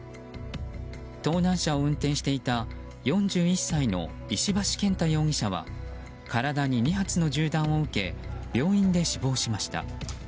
盗難車を運転していた４１歳の石橋健太容疑者は体に２発の銃弾を受け病院で死亡しました。